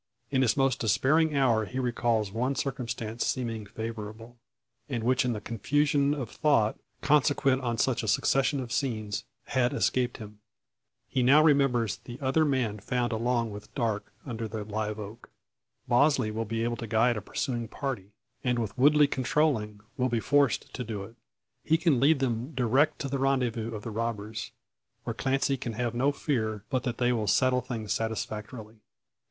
In his most despairing hour he recalls one circumstance seeming favourable, and which in the confusion of thought, consequent on such a succession of scenes, had escaped him. He now remembers the other man found along with Darke under the live oak. Bosley will be able to guide a pursuing party, and with Woodley controlling, will be forced to do it. He can lead them direct to the rendezvous of the robbers; where Clancy can have no fear but that they will settle things satisfactorily.